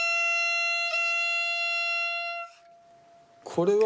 これはね